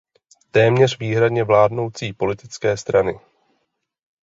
Téměř výhradně vládnoucí politické strany.